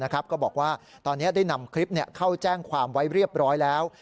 ก็บอกว่าตอนนี้ได้นำคลิปเข้าแจ้งความไว้เรียบร้อยแล้ว